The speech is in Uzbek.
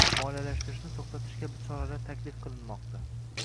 Moliyalashtirishni to'xtatish kabi choralar taklif qilinmoqda